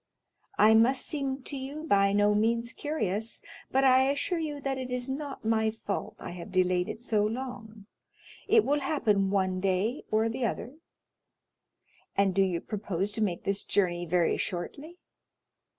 I must seem to you by no means curious, but I assure you that it is not my fault I have delayed it so long—it will happen one day or the other." 20083m "And do you propose to make this journey very shortly?"